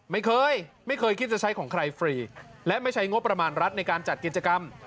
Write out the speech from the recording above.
ไม่เคยไม่เคยคิดจะใช้ของใครฟรีและไม่ใช้งบประมาณรัฐในการจัดกิจกรรม